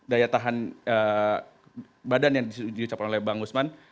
daya tahan badan yang diucapkan oleh bang usman